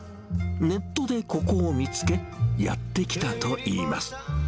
ネットでここを見つけ、やって来たといいます。